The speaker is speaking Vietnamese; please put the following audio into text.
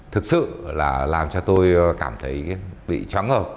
thực sự là làm cho tôi cảm thấy bị chóng ngợp